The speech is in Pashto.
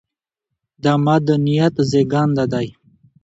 د مدنيت زېږنده دى